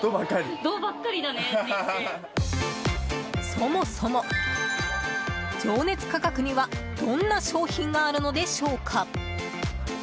そもそも、情熱価格にはどんな商品があるのでしょうか。